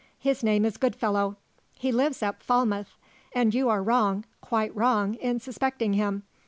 His name is Goodfellow; he lives at Falmouth; and you are wrong, quite wrong, in suspecting him.